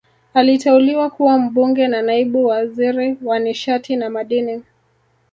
Aliteuliwa kuwa Mbunge na Naibu Waziri wa Nishati na Madini